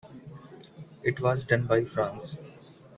It was done by France.